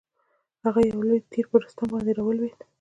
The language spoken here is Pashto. د هغه یو لوی تیر پر رستم باندي را ولوېد.